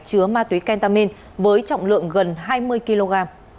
chứa ma túy kentamin với trọng lượng gần hai mươi kg